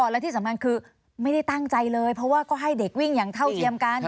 และที่สำคัญคือไม่ได้ตั้งใจเลยเพราะว่าก็ให้เด็กวิ่งอย่างเท่าเทียมกัน